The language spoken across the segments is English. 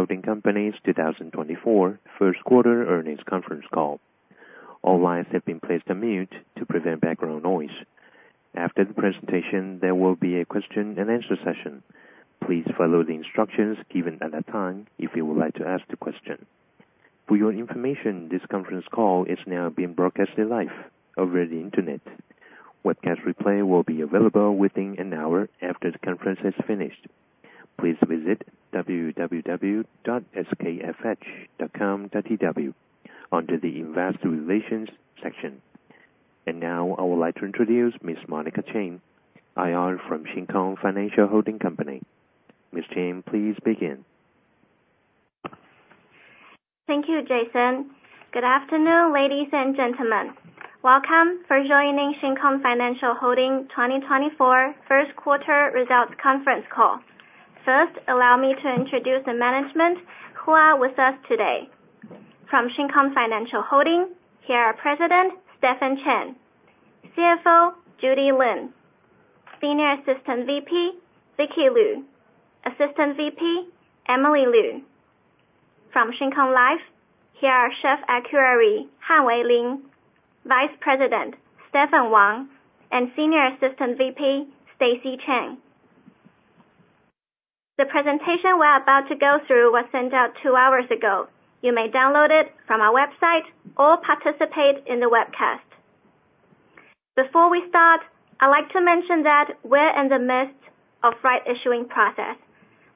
Holding Company's 2024 first quarter earnings conference call. All lines have been placed on mute to prevent background noise. After the presentation, there will be a question and answer session. Please follow the instructions given at that time if you would like to ask the question. For your information, this conference call is now being broadcasted live over the Internet. Webcast replay will be available within an hour after the conference has finished. Please visit www.skfh.com.tw under the Investor Relations section. And now, I would like to introduce Ms. Monica Chen, IR from Shin Kong Financial Holding Company. Ms. Chen, please begin. Thank you, Jason. Good afternoon, ladies and gentlemen. Welcome for joining Shin Kong Financial Holding 2024 first quarter results conference call. First, allow me to introduce the management who are with us today. From Shin Kong Financial Holding, here are President Stephen Chen, CFO Judy Lin, Senior Assistant VP Vicky Lu, Assistant VP Emily Lu. From Shin Kong Life, here are Chief Actuary Han-Wei Lin, Vice President Stephen Wang, and Senior Assistant VP Stacy Chen. The presentation we're about to go through was sent out 2 hours ago. You may download it from our website or participate in the webcast. Before we start, I'd like to mention that we're in the midst of rights issuing process.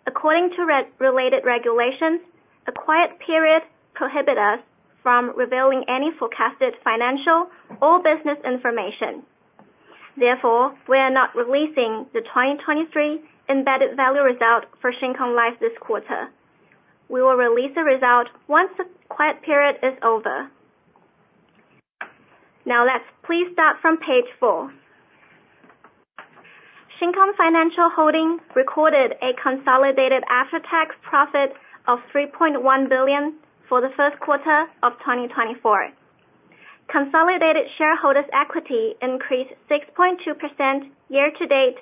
According to related regulations, a quiet period prohibit us from revealing any forecasted financial or business information. Therefore, we are not releasing the 2023 embedded value result for Shin Kong Life this quarter. We will release the result once the quiet period is over. Now, let's please start from page 4. Shin Kong Financial Holding recorded a consolidated after-tax profit of 3.1 billion for the first quarter of 2024. Consolidated shareholders' equity increased 6.2% year-to-date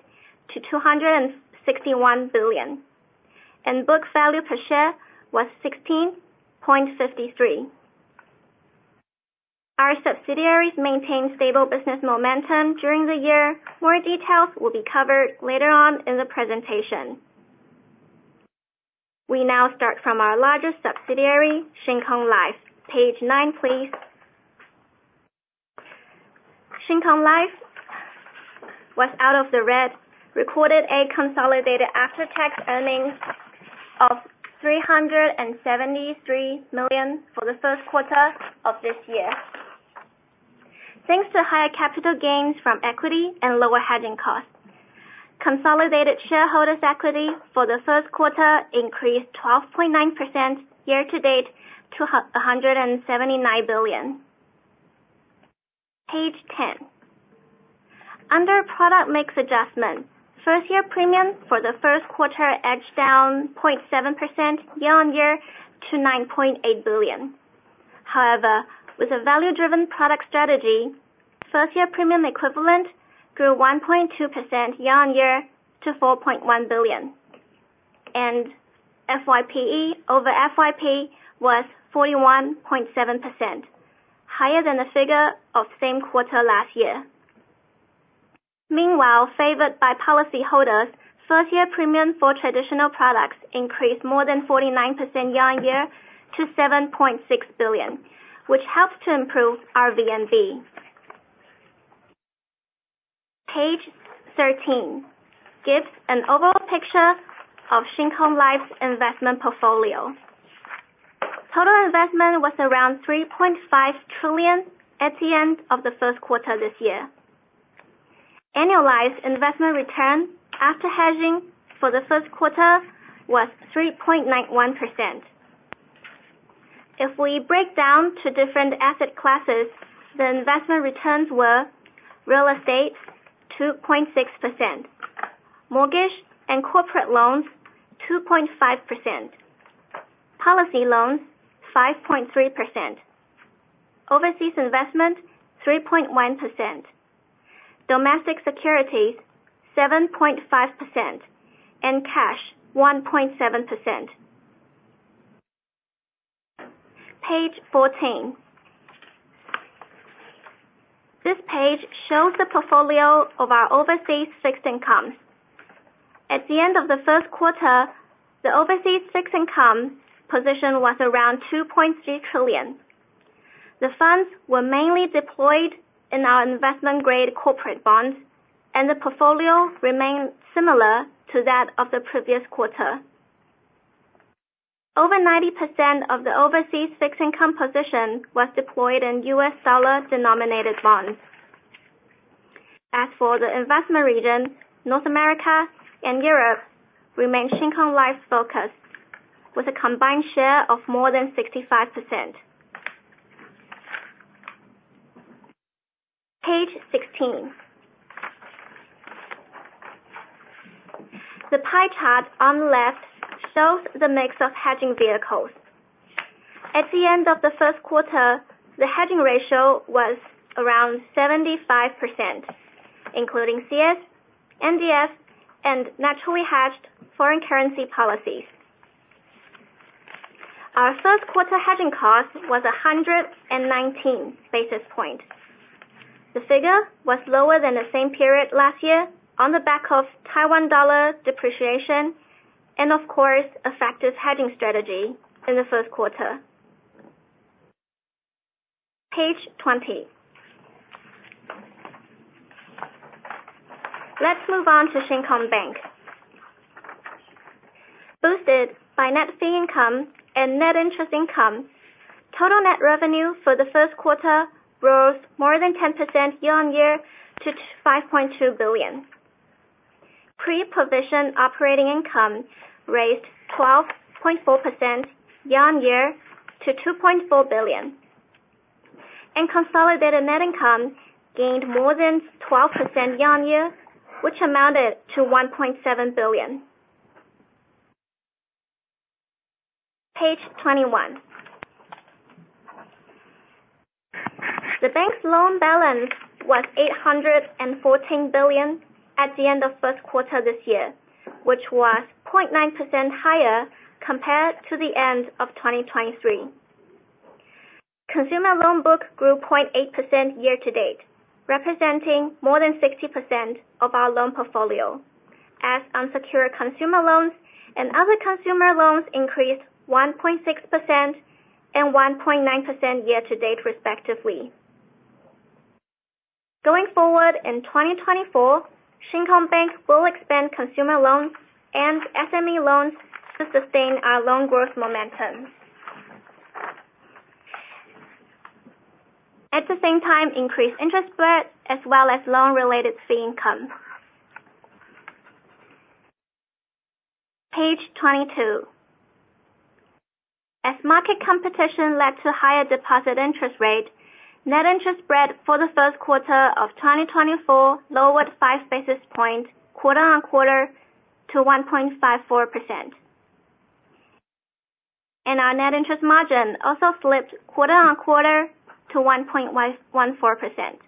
to 261 billion, and book value per share was 16.53. Our subsidiaries maintain stable business momentum during the year. More details will be covered later on in the presentation. We now start from our largest subsidiary, Shin Kong Life. Page 9, please. Shin Kong Life was out of the red, recorded a consolidated after-tax earnings of 373 million for the first quarter of this year. Thanks to higher capital gains from equity and lower hedging costs, consolidated shareholders' equity for the first quarter increased 12.9% year-over-year to TWD 179 billion. Page ten. Under product mix adjustment, first year premium for the first quarter edged down 0.7% year-over-year to 9.8 billion. However, with a value-driven product strategy, first year premium equivalent grew 1.2% year-over-year to TWD 4.1 billion, and FYPE over FYP was 41.7%, higher than the figure of same quarter last year. Meanwhile, favored by policyholders, first year premium for traditional products increased more than 49% year-over-year to 7.6 billion, which helps to improve our VNB. Page thirteen gives an overall picture of Shin Kong Life's investment portfolio. Total investment was around 3.5 trillion at the end of the first quarter this year. Annualized investment return after hedging for the first quarter was 3.91%. If we break down to different asset classes, the investment returns were real estate, 2.6%, mortgage and corporate loans, 2.5%, policy loans, 5.3%, overseas investment, 3.1%, domestic securities, 7.5%, and cash, 1.7%. Page 14. This page shows the portfolio of our overseas fixed incomes. At the end of the first quarter, the overseas fixed income position was around 2.3 trillion. The funds were mainly deployed in our investment-grade corporate bonds, and the portfolio remained similar to that of the previous quarter. Over 90% of the overseas fixed income position was deployed in U.S. dollar-denominated bonds. As for the investment region, North America and Europe remain Shin Kong Life's focus, with a combined share of more than 65%. Page 16. The pie chart on the left shows the mix of hedging vehicles.... At the end of the first quarter, the hedging ratio was around 75%, including CS, NDF, and naturally hedged foreign currency policies. Our first quarter hedging cost was 119 basis point. The figure was lower than the same period last year on the back of Taiwan dollar depreciation, and of course, effective hedging strategy in the first quarter. Page 20. Let's move on to Shin Kong Bank. Boosted by net fee income and net interest income, total net revenue for the first quarter rose more than 10% year-on-year to 5.2 billion. Pre-provision operating income raised 12.4% year-on-year to 2.4 billion, and consolidated net income gained more than 12% year-on-year, which amounted to TWD 1.7 billion. Page 21. The bank's loan balance was 814 billion at the end of first quarter this year, which was 0.9% higher compared to the end of 2023. Consumer loan book grew 0.8% year to date, representing more than 60% of our loan portfolio, as unsecured consumer loans and other consumer loans increased 1.6% and 1.9% year to date, respectively. Going forward, in 2024, Shin Kong Bank will expand consumer loans and SME loans to sustain our loan growth momentum. At the same time, increase interest spread as well as loan-related fee income. Page 22. As market competition led to higher deposit interest rate, net interest spread for the first quarter of 2024 lowered 5 basis points quarter-on-quarter to 1.54%. Our net interest margin also slipped quarter-on-quarter to 1.14%.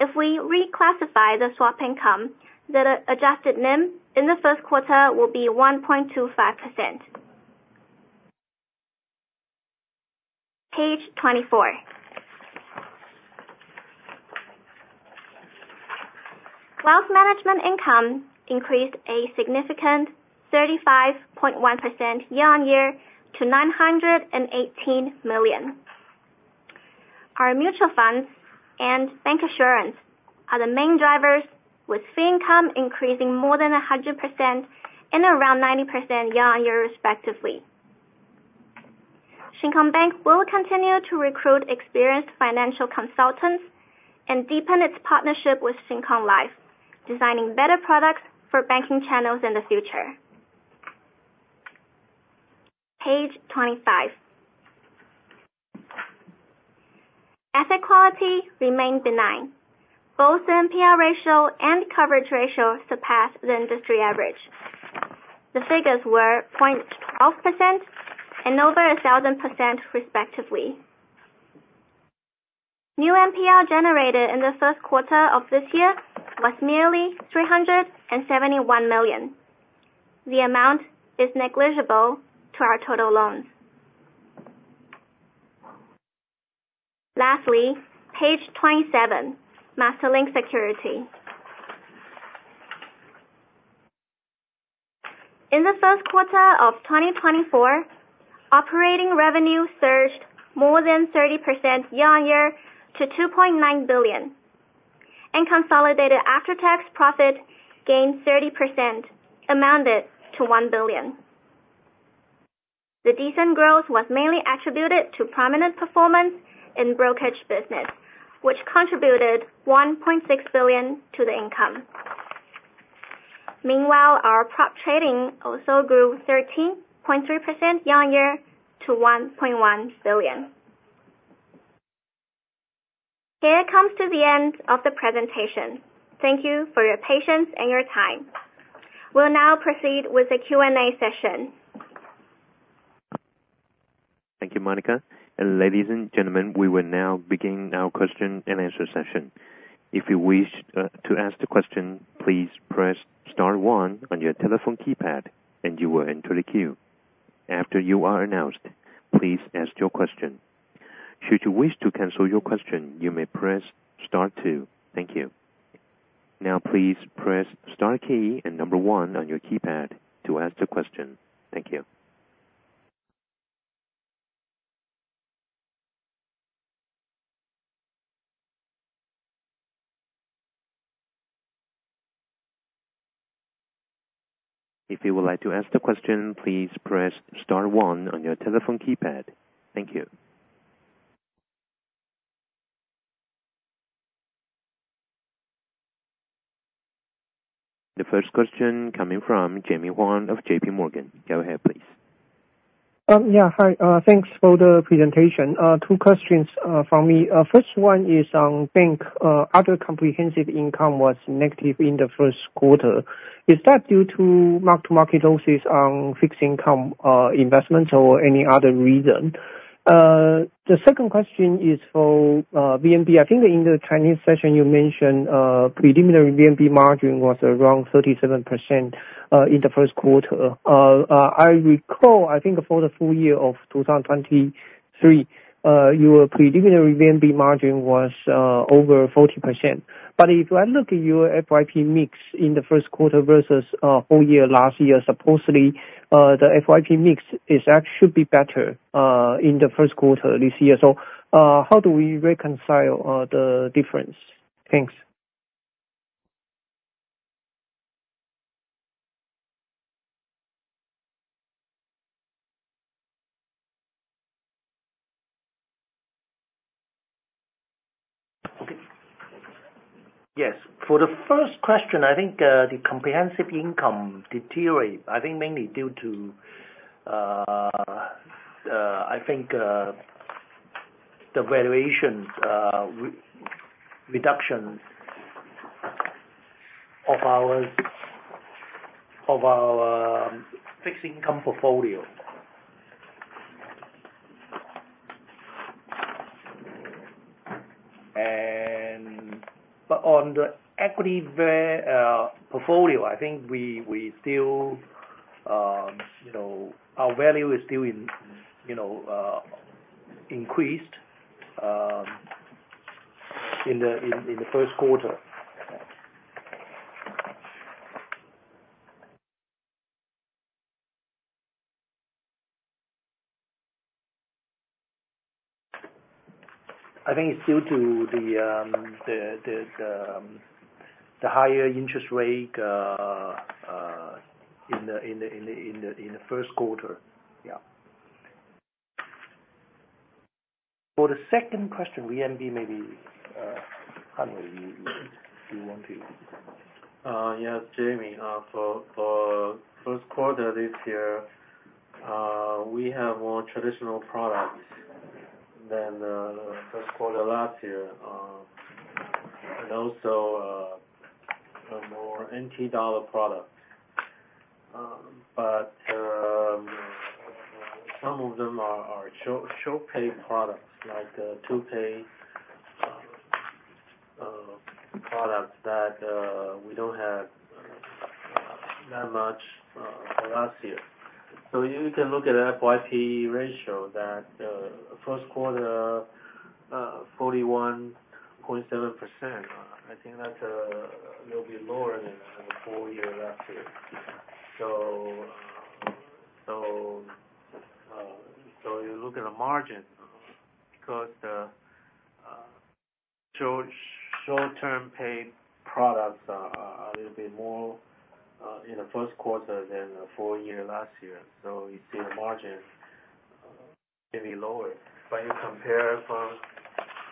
If we reclassify the swap income, the adjusted NIM in the first quarter will be 1.25%. Page 24. Wealth management income increased a significant 35.1% year-on-year to 918 million. Our mutual funds and bancassurance are the main drivers, with fee income increasing more than 100% and around 90% year-on-year, respectively. Shin Kong Bank will continue to recruit experienced financial consultants and deepen its partnership with Shin Kong Life, designing better products for banking channels in the future. Page 25. Asset quality remained benign. Both NPL ratio and coverage ratio surpassed the industry average. The figures were 0.12% and over 1,000%, respectively. New NPL generated in the first quarter of this year was merely 371 million. The amount is negligible to our total loans. Lastly, page 27, MasterLink Securities. In the first quarter of 2024, operating revenue surged more than 30% year-on-year to 2.9 billion, and consolidated after-tax profit gained 30%, amounted to 1 billion. The decent growth was mainly attributed to prominent performance in brokerage business, which contributed 1.6 billion to the income. Meanwhile, our prop trading also grew 13.3% year-on-year to TWD 1.1 billion. Here comes to the end of the presentation. Thank you for your patience and your time. We'll now proceed with the Q&A session. Thank you, Monica, and ladies and gentlemen, we will now begin our question-and-answer session. If you wish to ask the question, please press star one on your telephone keypad, and you will enter the queue. After you are announced, please ask your question. Should you wish to cancel your question, you may press star two. Thank you. Now, please press star key and number one on your keypad to ask the question. Thank you. If you would like to ask the question, please press star one on your telephone keypad. Thank you. The first question coming from Jemmy Huang of J.P. Morgan. Go ahead, please. Yeah, hi. Thanks for the presentation. Two questions from me. First one is on bank. Other comprehensive income was negative in the first quarter. Is that due to mark-to-market losses on fixed income investments or any other reason? The second question is for VNB. I think in the Chinese session you mentioned, preliminary VNB margin was around 37% in the first quarter. I recall, I think for the full year of 2023, your preliminary VNB margin was over 40%. But if I look at your FYP mix in the first quarter versus full year last year, supposedly, the FYP mix should be better in the first quarter this year. So, how do we reconcile the difference? Thanks. Yes. For the first question, I think the comprehensive income deteriorate, I think mainly due to the valuation reduction of our fixed income portfolio. But on the equity portfolio, I think we still, you know, our value is still increased, you know, in the first quarter. I think it's due to the higher interest rate in the first quarter. Yeah. For the second question, VNB, maybe Henry, do you want to? Yes, Jamie. For first quarter this year, we have more traditional products than first quarter last year. And also, a more NT dollar products. But some of them are short pay products, like two pay products that we don't have that much last year. So you can look at FYP ratio that first quarter, 41.7%. I think that will be lower than the full year last year. So you look at the margin, because the short-term pay products are a little bit more in the first quarter than the full year last year. So you see the margin may be lower, but you compare from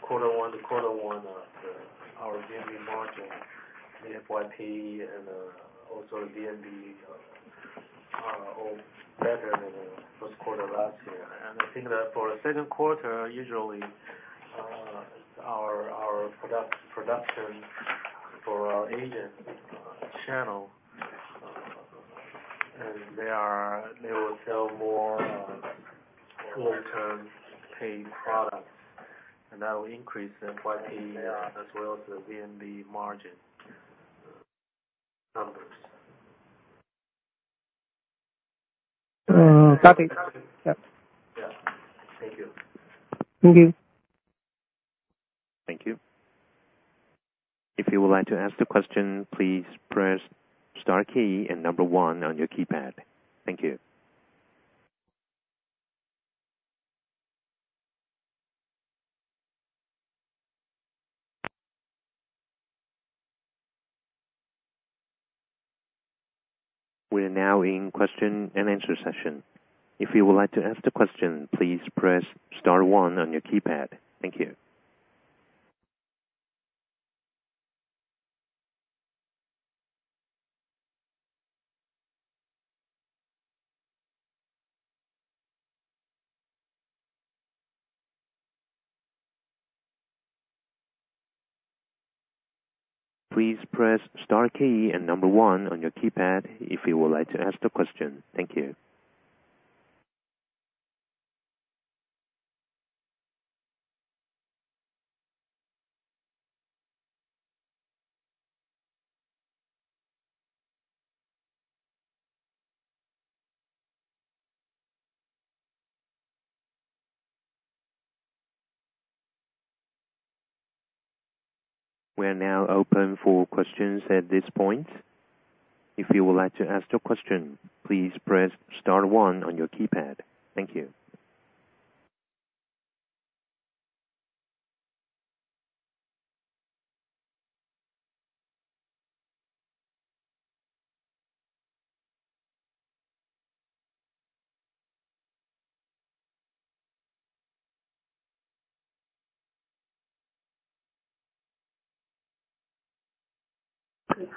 quarter one to quarter one, our VNB margin, the FYP and also VNB are all better than the first quarter last year. And I think that for the second quarter, usually, our production for our agent channel and they will sell more long-term pay products, and that will increase the FYP as well as the VNB margin numbers. Copy. Yep. Yeah. Thank you. Thank you. Thank you. If you would like to ask the question, please press star key and number one on your keypad. Thank you. We are now in question and answer session. If you would like to ask the question, please press star one on your keypad. Thank you. Please press star key and number one on your keypad if you would like to ask the question. Thank you. We are now open for questions at this point. If you would like to ask a question, please press star one on your keypad. Thank you.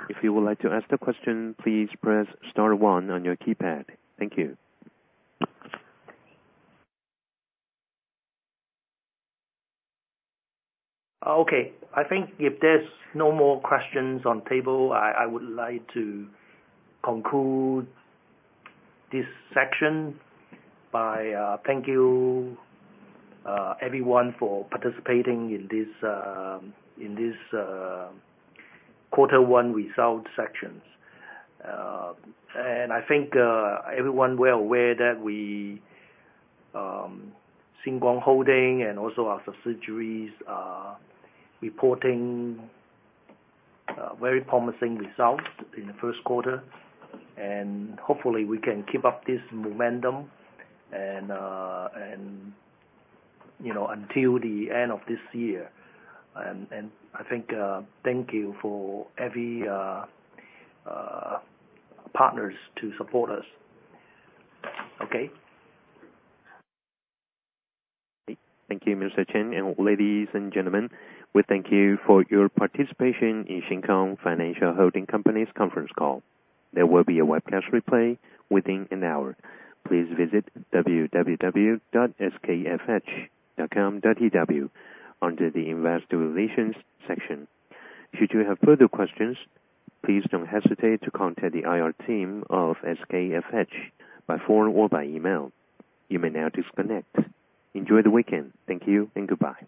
If you would like to ask the question, please press star one on your keypad. Thank you. Okay. I think if there's no more questions on the table, I would like to conclude this section by thank you everyone for participating in this quarter one results section. And I think everyone well aware that we Shin Kong Holding and also our subsidiaries are reporting very promising results in the first quarter, and hopefully we can keep up this momentum and you know until the end of this year. And I think thank you for every partners to support us. Okay? Thank you, Mr. Chen. Ladies and gentlemen, we thank you for your participation in Shin Kong Financial Holding Company's conference call. There will be a webcast replay within an hour. Please visit www.skfh.com.tw, under the Investor Relations section. Should you have further questions, please don't hesitate to contact the IR team of SKFH by phone or by email. You may now disconnect. Enjoy the weekend. Thank you and goodbye.